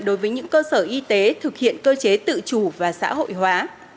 đối với những cơ sở y tế thực hiện cơ chế tự chủ và xã hội hóa